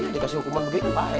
dikasih hukuman begitu baik